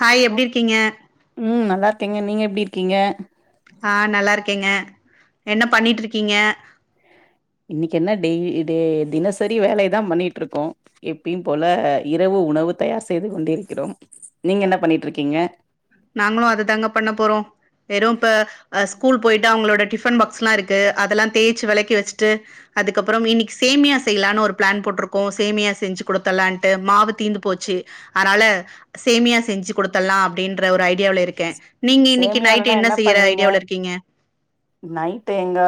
Hi, ஒ எப்டி இருக்கீங்க? ம், நல்லா இருக்கேங்க நீங்க எப்டி இருக்கீங்க? ஆ, நல்லா இருக்கேங்க, என்ன பண்ணிட்டு இருக்கீங்க? இன்னைக்கி என்ன டெய் டெ தினசரி வேலையதா பண்ணிட்டு இருக்கோ எப்பியு போல இரவு உணவு தயார் செய்து கொண்டிருக்கிறோம். நீங்க என்ன பண்ணிட்டு இருக்கீங்க? நாங்களு அததாங்க பண்ண போறோ வெறு இப்ப அ ஸ்கூல் போயிட்டு அவங்களோட டிஃபன் பாக்ஸ்ல்லா இருக்கு அதெல்லா தேச்சு வெலக்கி வச்சுட்டு அதுக்கப்றோ இன்னைக்கி சேமியா செய்யலான்னு ஒரு பிளான் போட்ருக்கோ, சேமியா செஞ்சு குடுத்துலான்ட்டு மாவு தீந்து போச்சு அதனால சேமியா செஞ்சு குடுத்துடலா அப்டின்ற ஒரு ஐடியாவுல இருக்கே நீங்க இன்னைக்கி நைட் சேமியாலனா என்ன செய்யற பண்ணுவீங்க ஐடியாவுல இருக்கீங்க [inaudible] நைட்டு எங்க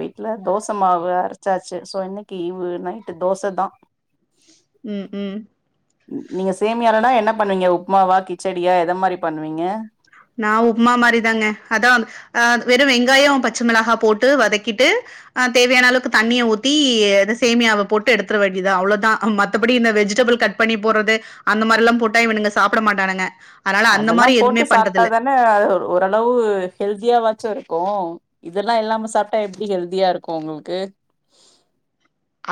வீட்ல தோச மாவு அரைச்சாச்சு, சோ இன்னைக்கி ஈவு நைட்டு தோசதா [inaudible] ம், ம் நீங்க சேமியாலனா என்ன பண்ணுவீங்க உப்புமாவா? கிச்சடியா? எத மாரி பண்ணுவீங்க நா உப்புமா மாரிதாங்க அதா அ, வெறு வெங்காயோ பச்ச மொளகா போட்டு வதக்கிட்டு அ தேவையான அளவுக்கு தண்ணிய ஊத்தி இந்த சேமியாவ போட்டு எடுத்துட வேண்டியது அவ்ளோதா மத்தபடி இந்த வெஜிடபிள் கட் பண்ணி போட்றது அந்த மாரில்லா போட்டா இவனுங்க சாப்ட மாட்டானுங்க, அதனால அந்த மாரி எதுவுமே சாப்ட்டாதான ஓரளவு ஹெல்தியாவாச்சு இருக்கு இதெல்லா இல்லாம சாப்ட்டா எப்டி ஹெல்தியா இருக்கு உங்களுக்கு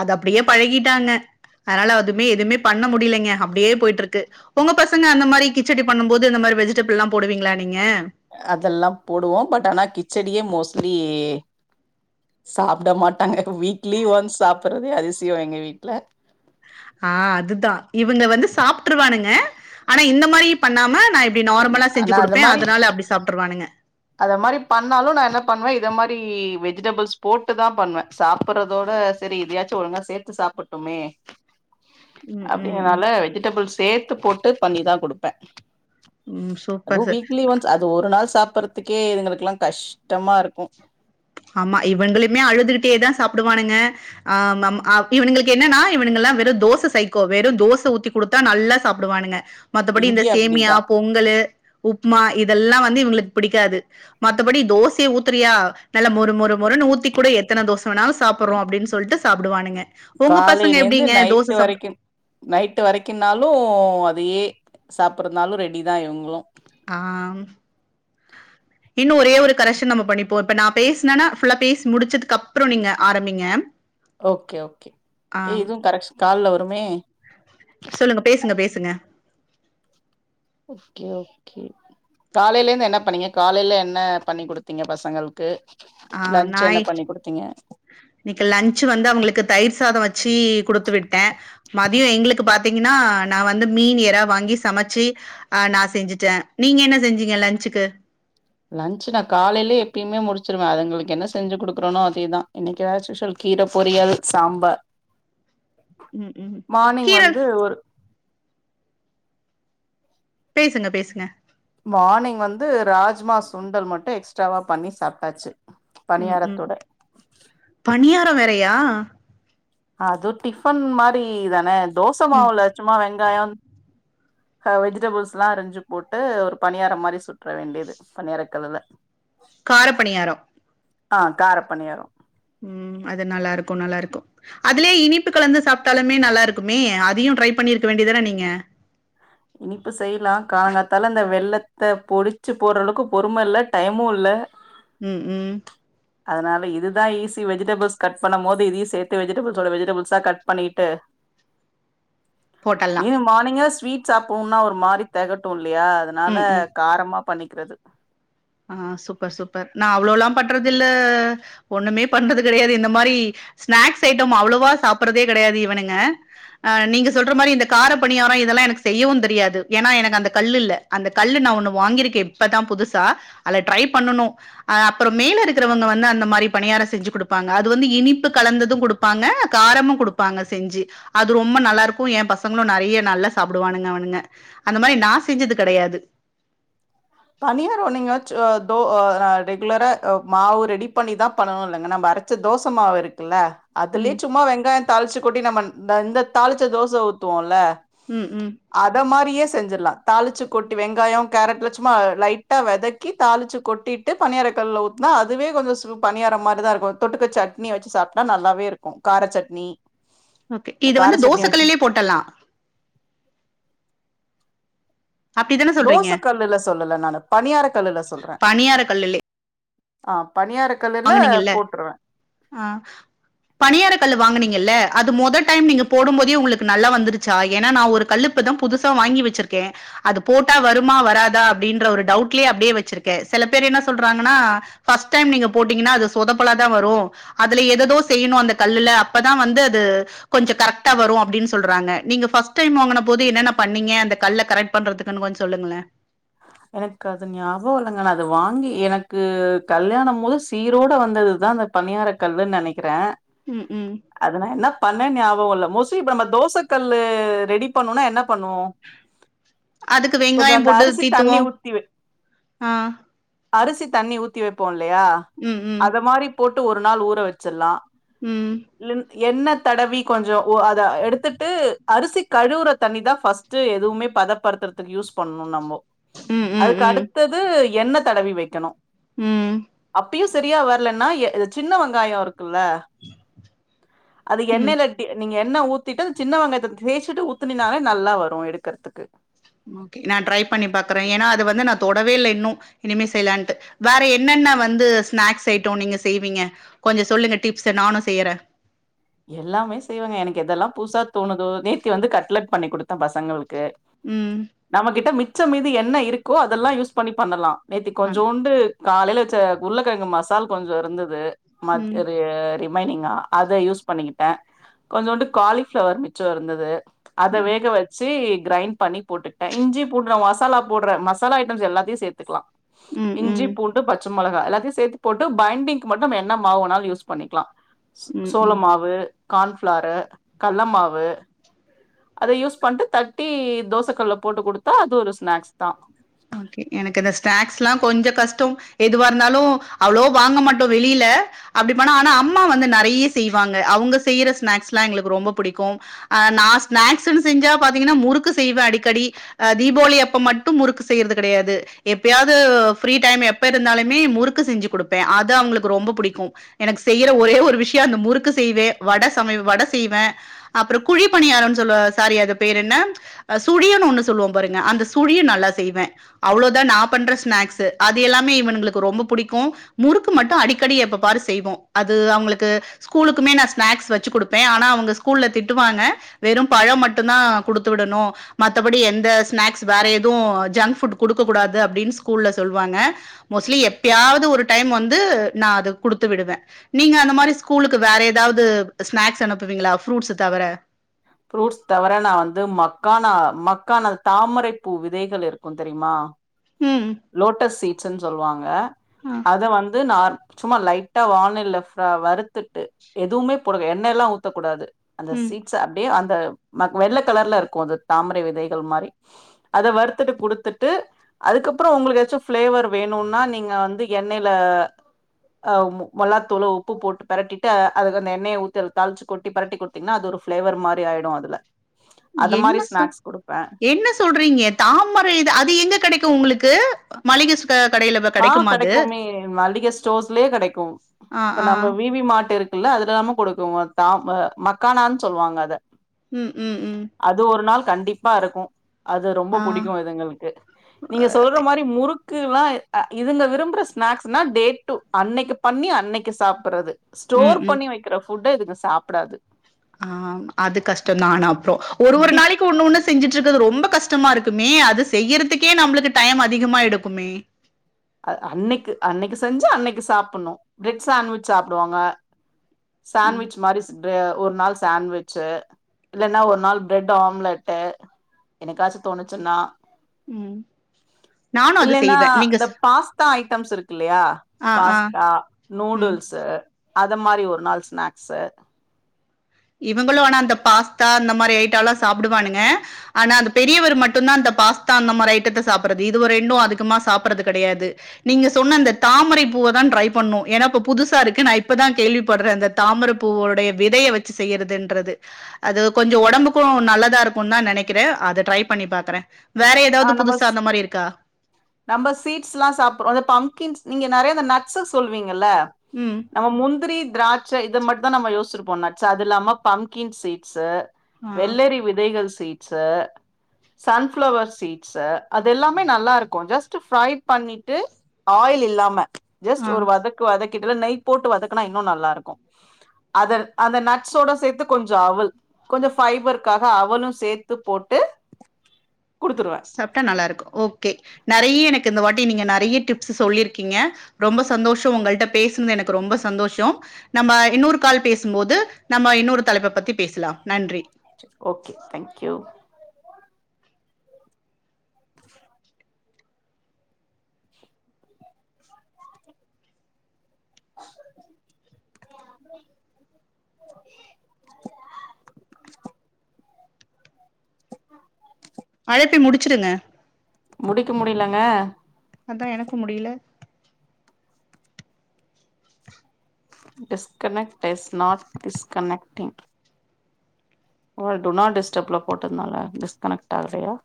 அது அப்டியே பழகிட்டாங்க, அதனால அதுமே எதுமே பண்ண முடியலைங்க அப்டியே போயிட்டுருக்கு உங்க பசங்க அந்த மாரி கிச்சடி பண்ணும்போது இந்த மாரி வெஜிடபிள் எல்லா போடுவிங்களா நீங்க அதெல்லா போடுவோ பட் ஆனா கிச்சடியே மோஸ்ட்லி சாப்ட மாட்டாங்க வீக்லி ஒன்ஸ் சாப்பட்றதே அதிசயம் எங்க வீட்ல ஆ, அதுதா இவங்க வந்து சாப்ட்டுருவானுங்க ஆனா இந்த மாரி பண்ணாம நா இப் ப்டி நார்மலா செஞ்சு ஆனா அது குடுப்பே மாரி அதுனால அப்டி சாப்ட்ருவானுங்க. அத மாரி பண்ணாலு நா என்ன பண்ணுவே இத மாரி வெஜிடபிள்ஸ் போட்டு தா பண்ணுவே சாப்பறதோட ஸ் செரி இதயாச்சு ஒழுங்கா சேத்து சாப்பட்டுமே ம் ம் ம் அப்டிங்கனால வெஜிடபிள் சேத்து போட்டு பண்ணிதா குடுப்பே. ம் அதுவு சூப்பர் சார். வீக்லி ஒன்ஸ் அது ஒரு நாள் சாப்பறதுக்கே இதுங்களுக்குலா கஷ்டமாருக்கு. ஆமா இவுங்குளுமே அழுதுகிட்டேதா சாப்டுவானுங்க. ஆ மாம் ஆ இவுனுங்குளுக்கு என்னன்னா இவுனுங்கெல்லா வெறு தோச சைக்கோ வெறு தோச ஊத்தி குடுத்தா நல்லா சாப்டுவானுங்க மத்தபடி இந்த இங்கயு சேமியா அப்டிதா பொங் கலு உப்மா இதெல்லா வந்து இவுங்குளுக் பிடிக்காது மத்தபடி தோசைய ஊத்துறியா நல்லா மொறு மொறு மொறுனு ஊத்தி குடு எத்தன தோச வேணாலு சாப்பறோ அப்டின் சொல்ட்டு சாப்டுவானுங்க. உங்க பசங்க காலையிலேந்து எப்டிங்க நைட்டு தோச சாப்டு வரைக்கு நைட்டு வரைக்குன்னாலு அதையே சாப்பர்துனாலு ரெடிதா இவுங்குளு. ஆ ம் இன்னு ஒரே ஒரு கரெஷன் நம்ம பண்ணிப்போ இப்ப நா பேஸ்னனா ஃபுல்லா பேசி முடிச்சதுக் அப்றோ நீங்க ஆரம்பிங்க. ஓகே ஓகே ஆ ஏ இது கரெக்ஸ் கால்ல வருமே. சொல்லுங்க பேசுங்க பேசுங்க. Okay okay. காலைலந்து என்ன பண்ணீங்க காலைல என்ன பண்ணி குடுத்தீங்க பசங்கள்க்கு. ஆ நா இ இன்னிக்கு லன்ச்சு வந்து அவுங்குளுக்கு தயிர் சாதோ வெச்சி குடு த்து விட்டே மதியோ எங்குளுக்கு பாத்தீங்கன்னா நா வந்து மீன் எறா வாங்கி சமைச்சி அ நா செஞ்சிட்டே நீங்க என்ன செஞ்சீங்க லஞ்ச்சுக்கு? லன்ச்சு நா காலைலியே எப்பிமே முடிச்சிருவே அதுங்குளுக்கு என்ன செஞ்சு குடுக்குறனோ அதேதா என்னிகாச்சு சல்க் கீர பொரியல் சாம்பார் ம் ம் மானிங் கீரல் வந்து ஒரு பேசுங்க பேசுங்க. மானிங் வந்து ராஜ்மா சுண்டல் மட்டு எக்ஸ்ட்ராவா பண்ணி சாப்ட்டாச்சு. ம் ம் பணியாரத்தோட பணியாரோ வேறயா? அது டிஃபன் மாரி தான தோச ம் மாவுல சும்மா வெங்காயோ ஹ வெஜிடபிள்ஸ்லா அரிஞ்சு போட்டு ஒரு பணியாரம் மாரி சுட்ற வேண்டிது. பணியாரக்கல்லுல. கார பணியாரோ. ஆ கார பணியாரோ. ம் அது நல்லாருக்கு நல்லாருக்கு. அதுலியே இனிப்பு கலந்து சாப்ட்டாலுமே நல்லா இருக்குமே அதியு ட்ரை பண்ணிருக்க வேண்டிதான நீங்க. இனிப்பு செய்லா காலங்காத்தால அந்த வெல்லத்த பொடிச்சு போட்ற அளவ்க்கு பொறும இல்ல டைமு இல்ல. ம் ம். அதுனால இதுதா ஈஸி வெஜிடபிள்ஸ் கட் பண்ண போது இதுயு சேத்து வெஜிடபிள்ஸோட வெஜிடபிள்ஸா கட் பண்ணிகிட்டு ஹோட்டல்லா இது மானிங்கே ஸ்வீட் சாப்போம்னா ஒரு மாரி தெகட்டு இல்லையா அதுனால ம் ம் காரமா பண்ணிக்றது. ஆ சூப்பர் சூப்பர் நா அவ்ளோலா பண்றது இல்ல ஒன்னுமே பண்றது கெடையாது இந்த மாரி ஸ்நாக்ஸ் ஐட்டம் அவ்ளவா சாப்பறதே கெடையாது இவனுங்க. ஆ நீங்க சொல்ற மாரி இந்த கார பணியாரோ இதெல்லா எனக்கு செய்யவு தெரியாது ஏனா எனக்கு அந்த கல்லு இல்ல. அந்த கல்லு நா ஒன்னு வாங்கிருக்கே இப்பதா புதுசா அதுல ட்ரை பண்ணனு. அப்பறோ மேல இருக்குறவங்க வந்து அந்த மாரி பணியார செஞ்சு குடுப்பாங்க அது வந்து இனிப்பு கலந்தது குடுப் பாங்க காரமு குடுப்பாங்க செஞ்சு அது ரொம்ப நல்லா இருக்கு எ பசங்களு நெறைய நல்லா சாப்டுவானுங்க அவனுங்க அந்த மாரி நா செஞ்சது கெடையாது பணியாரோ நீங்க சொ தோ ஆ ரெகுலரா அ மாவு ரெடி பண்ணிதா பண்ணனு இல்லங்க நம்ப அரச் ச தோச மாவு இருக்குல்ல அதுலயே ம் சும்மா வெங்காய தாளிச்சி கொட்டி நம்ம இந்த தாளிச்ச தோச ஊத்துவோல்ல ம் ம் அத மாரியே செஞ்சுட்லா தாளிச்சு கொட்டி வெங்காயோ கேரட்ல சு ம்மா லைட்டா வதக்கி தாளிச்சி கொட்டிட்டு பனியார கல்ல ஊத்தானா அதுவே கொஞ்சோ சு பனியார மாதிரி தா இருக்கு தொட்டுக்க சட்னி வச்சி சாப்ட்டா நல்லாவே இருக்கு கார சட்னி ஓகே இந்த இது கார வந்து சட்னி தோசக் வச்சு கல்லுலேயே போட்டற்லா அப்படிதானே சொல்றீங்க தோசக் கல்லுல சொல்லல நானு பனியார கல்லுல சொல்றே பணியார கல்லுலே ஆ பனியார கல்லுல வாங்குனீங்கல்ல போட்ருவே ஆ பனியார கல்லு வாங்கனீங்கல்ல அது மொத டைம் நீங்க போடும் போதே உங்களுக்கு நல்லா வந்துரு சா ஏன்னா நா ஒரு கல்லு இப்ப தா புதுசா வாங்கி வச்சிருக்கே அது போட்டா வருமா வராதா அப்டின்ற ஒரு டவுட்லயே அப்டியே வெச்சிருக்கே செல பேர் என்ன சொல்றாங்கன்னா ஃபர்ஸ்ட் டைம் நீங்க போட்டீங்கன்னா அது சோதப்பல தா வரு அதுல ஏதோ ஏதோ செய்யணு அந்த கல்லுல அப்பதா வந்து அது கொஞ்சோ கரெக்டா வரு அப்டின்னு சொல்றாங்க நீங்க ஃபஸ்ட் டைம் வாங்கன போது என்னென்ன பண்ணீங்க அந்த கல்ல கரெக் பண்றதுக்குனு கொஞ்சோ சொல்லுங்களே எனக்கு அது ஞாபகோ இல்லங்க நா அத வாங்கி எனக்கு கல்யாணோம் போது சீரோட வந்ததுதா அந்த பணியார கல்லு நெனைக்குறே ம் ம் அதுன என்ன பண்ணே ஞாபகோ இல்ல மோஸ்லி இப்ப நம்ம தோச கல்லு ரெடி பண்ணோனா என்ன பண்ணுவோ அதுக்கு வெங்காய கொஞ்சோ அந்த போட்டு அரிசி தி தண்ணி ஊத்தி வை அரிசி தண்ணி ஊத்தி வைப்போ இல்லையா ம் ம் அத மாரி போட்டு ஒரு நாள் ஊற வெச்சுற்லா ம் லின் எண்ணெ தடவி கொஞ்சோ ஒ அத எடுத்துட்டு அரிசி கழுவுற தண்ணி தா ஃபஸ் ட்டு எதுவுமே பதப்படுத்தறதுக்கு யூஸ் பண்ணணு நம்மோ ம் ம் அதுக்கு ம் அடுத்தது எண்ணெ தடவி வைக்கணு ம் அப் இப்பையு சரியா வரலன்னா எ சின்ன வெங்காயொ இருக்குல்ல அது ம் எண்ணெய்ல நீங்க எண்ணெ ஊத்திட்டு அது சின்ன வெங்கத்த தேய்ச்சிட்டு ஊத்தினாலே நல்லா வரு எடுக்கறதுக்கு ஓகே நா ட்ரை பண்ணி பாக்குறே ஏன்னா அது வந்து நா தொடவே இல்ல இன்னு இனிமே செய்லான்ட்டு வேற என்னென்ன வந்து ஸ்நாக்ஸ் ஜட்டோ நீங்க செய்வீங்க கொஞ்ச சொல்லுங்க டிப்ஸ் நானு செய்யறே எல்லாமே செய்வேங்க எனக்கு எது எல்லா புதுசா தோணுதோ நேத்தி வந்து கட்லெட் பண்ணி கொடுத்தே பசங்களுக்கு ம் நம்மகிட்ட மிச்ச மீதி என்ன இருக்கோ அதெல்லா யூஸ் பண்ணி பண்ணலா நேத்தி பண் கொஞ்சோண்டு காலையில வெச்ச உருக்கெழங்கு மசால் கொஞ்சோ இருந்தது ம் மாதிரி ரிமைங்கா அத யூஸ் பண்ணிகிட்டே கொஞ்சோண்டு காலிஃபிளவர் மிச்சோ இருந்தது அத ம் வேக வை ச்சி கிரைண்ட் பண்ணி போட்டுக்ட்டே இஞ்சி பூண்டு மசாலா போடுற மசாலா ஐட்டம்ஸ் எல்லாத்தையு சேத்துக்லா ம் இஞ்சி ம் பூண்டு பச்ச மொளகா எல்லாத்தையு சேத்து போட்டு பைண்டிங்கு மட்டு என்ன மாவு வேனாலு யூஸ் பண்ணிக்குலா ம் சோள ம் மாவு கான்ஃப்ளாரு கள்ள மாவு அத யூஸ் பண்ட்டு தட்டி தோசக்கல்ல போட்டு குடுத்தா அது ஒரு ஸ்நாக்ஸ் தா ஓகே எனக்கு இந்த ஸ்நாக்ஸ்ல்லா கொஞ்ச கஷ்டோ எதுவா இருந்தாலு அவ்ளோ வாங்க மாட்டோ வெளியில அப்டி பண்ணா ஆனா அம்மா வந்து நெறைய செய்வாங்க அவுங்க செய்ற ஸ்நாக்ஸ்ல்லா எங்களுக்கு ரொம்போ புடிக்கு ஆ நா ஸ்நாக்ஸ்ன்னு செஞ்சா பாத்தீங்கன்னா முறுக்கு செய்வே அடிக்கடி அ தீபாவளி அப்ப மட்டு முறுக்கு செய்யறது கெடையாது எப்பையாவ்து ஃப்ரீ டைம் எப்ப இருந்தாலுமே முறுக்கு செஞ்சி குடுப்பே அது அவுங்களுக்கு ரொம்ப புடிக்கு எனக்கு செய்யற ஒரே ஒரு விஷயோ அந்த முறுக்கு செய்வே வட சம வட செய்வே அப்றோ குழி பனியாரன் சொல்லுவ சாரி அது பேரு என்ன சுழினு ஒன்னு சொல்லுவோ பாருங்க அந்த சுழியு நல்லா செய்வே அவ்ளோதா நா பண்ற ஸ்நாக்ஸ்ஸு அது எல்லாமே இவனுகளுக்கு ரொம்ப புடிக்கு முறுக்கு மட்டு அடிக்கடி எப்ப பாரு செய்வோ அது அவ்ங்களுக்கு ஸ்கூலுக்குமே நா ஸ்னாக்ஸ் வெச்சு குடுப்பே ஆனா அவ்ங்க ஸ்கூல்ல திட்டுவாங்க வெறு பபழோ மட்டுந்தா குடுத்து விடணு மத்தபடி எந்த ஸ்நாக்ஸ் வேற எது ஜங்க் ஃபுட் குடுக்கூடாது அப்டின் ஸ்கூல்ல சொல்வாங்க மோஸ்ட்லி எப்பயாவ்து ஒரு டைம் வந்து நா அத குடுத்து விடுவே நீங்க அந்த மாரி ஸ்கூலுக்கு வேற எதாவ்து ஸ்நாக்ஸ் அனுப்புவீங்ளா ஃப்ரூட்ஸ தவிர ஃப்ரூட்ஸ் தவிர நா வந்து மக்கானா மக்கானா தாமரைப்பூ விதைகள் இருக் கு தெரியுமா ம் லோட்டஸ் சீட்ஸ்னு சொல்வாங்க அ அத வந்து நா சும்மா லைட்டா வானலில ஃப் வறுத்துட்டு எதுவுமே போடல எண்ணெல்லா ஊத்தக்கூடாது அந்த ம். சீ ஏ அந்த ம வெள்ள கலர்ல இருக்கு அது தாமரை விதைகள் மாரி அத வறுத்துட்டு குடுத்துட்டு அதுக்கப்றோ உங்களுக்கு எதாச்சு பிளேவர் வேணும்னா நீங்க வந்து எண்ணெய்லே ஆ மொ மொல்லாத்தூளு உப்பு போட்டு பெரட்டிட்டு அது அந்த எண்ணெய் ஊத்தி தாளிச்சி கொட்டி பெரட்டி குடுத்தீங்ன்னா அது ஒரு ஃப்ளேவர் மாரி ஆயிடு அதுல அது என்ன மாத்ரி சொ ஸ்நாக்ஸ் குடுப்பே என்ன சொல்றீங்க தாமரை அது எங்க கெடைக்கு உங்களுக்கு மளிக சு ஆ கெடைக்குமே மளிக ஸ்டோர்ஸ்லயே கெடைக்கு ஆ, இப்ப ஆ. நம்ம வி வி மார்ட் இருக் கில்ல அதுலாம கொடுக்கு அத் தாம்ம மக்கானான் சொல்லுவாங்க அத ம் ம் ம் அது ஒரு நாள் கண்டிப்பா இருக்கு அது ரொம்ப ஆ. புடிக்கு இதுங்ளுக்கு நீங்க சொல் ட்ற மாரி முறுக்குலா இ்துங்க விரும்புற ஸ்நாக்ஸ்னா டே டூ அன்னைக்கி பண்ணி அன்னைக்கி சாப்ட்றது ம், ஸ்டோர் ம். பண்ணி வெக்கிற ஃபுட்‌டு இதுங்க சாப்டாது ஆ அது கஷ்டந்தா ஆனா அப்றோ ஒரு ஒரு டிப் நாளைக் ஒண்ணு ஒண்ணு செஞ்சிட்ருக்குறது ரொம்ப கஷ்டமா இருக்குமே அது செய்யறதுக்கே நம்மளுக்கு டைம் அதிகமா எடுக்குமே அ அன்னைக்கு அன்னைக்கு செஞ்சு அன்னைக்கு சாப்புட்ணு பிரெட் சான்வெஜ் சாப்டுவாங்க ம், சேன்வெஜ் மாரி ட்ற ஒரு நாள் சேன்வெஜ் இல்லன்னா ஒரு நாலு பிரெட்டு ஆம்லெட்டு என்னைக்காச்சு தோணுச்சுன்னா ம் நானும் அது இல்லேனா செய்வேன். நீங்க இந்த சொ பாஸ்தா ஐட்டம்ஸ் இருக்கில்லயா ஆ, ஆ. பாஸ்தா ம். நூடுல்ஸ்ஸு அத மாரி ஒரு நாள் ஸ்நாக்ஸ்ஸு இவங்களு ஆனா அந்தப் பாஸ்தா இந்த மாரி ஐட்டலா சாப்டுவானுங்க ஆனா அந்தப் பெரியவர் மட்டுந்தா அந்தப் பாஸ்தா அந்த மாரி ஐட்டத்த சாப்பறது இதுவ ரெண்டு அதுகமா சாப்பறது கெடையாது நீங்க சொன்ன அந்தத் தாமரைப் பூவதா ட்ரைப் பண்ணு எனா இப்ப புதுசா இருக்கு நா இப்பதாங் கேள்விப்பட்றே அந்தத் தாமரப் பூவோடைய விதைய வச்சு செய்யிறதுன்றது அது கொஞ்சோ ஒடம்புக்கு நல்லதா இருக்குன்தா நெனைக்கிறே அத ட்ரை பண்ணி பாக்கறே வேற எதாவது ஆ நம்ம புதுசா ஸ் அந்த மாரி இருக்கா நம்ம சீட்ஸ்லா சாப்ப அந்த பம்க்கின்ஸ் நீங்க நெறைய இந்த நட்ஸ் சொல்லுவீங்கல ம் நம்ம முந்திரி திராட்ச இத மட்டுந்தா நம்ம யோச்சுருப்போ நட்ஸ் அது இல்லாம பம்க்கீன் சீட்ஸ்ஸு ஆ. வெள்ளரி விதைகள் சீட்ஸ்ஸு சன்ஃப்ளவர்ஸ் சீட்ஸ்ஸு அது எல்லாமே நல்லாருக்கு ஜஸ்ட்டு ஃப்ரை பண்ணிட்டு ஆயில் இல்லாம ஜஸ்ட் ஆ. ஒரு வதக்கு வதக்கிட்டுல நெய் போட்டு வதக்கனா இன்னு நல்லாருக்கு அதர் அந்த நட்ஸ்ஸோட சேத்து கொஞ்ச அவுள் கொஞ்ச ஃபைபர்கக்காக அவளு சேர்த்து போட்டு குடுத்துருவே சாப்ட்டா நல்லாருக்கு ஓகே நெறைய எனக்கு இந்த வாட்டி நீங்க நெறைய டிப்ஸ் சொல்லிருக்கீங்க ரொம்ப சந்தோஷோ வுங்கள்ட்ட பேசனது எனக்கு ரொம்ப சந்தோஷோ நம்ம இன்னொரு கால் பேசும்போது நம்ம இன்னொரு தலைப்ப பத்தி பேச்லா நன்றி ஓகே தங்க்யூ அழைப்பை முடிச்சிடுங்க முடிக்க முடிலங்க அதா எனக்கும் முடியல டிஸ்கனெக்ட் இஸ் நாட் டிஸ்கனெக்டிங் ஒ டுனாட் டிஸ்டப்ல போட்டதுனால டிஸ்கனெக்ட் ஆகலையா